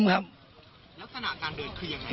ลักษณะการเดินคือยังไง